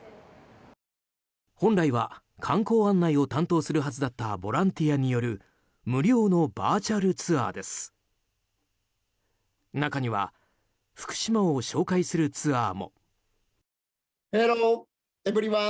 本来は観光案内を担当するはずだったボランティアによる無料のバーチャルツアーです。